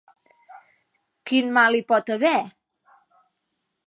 ¿Quin mal hi pot haver?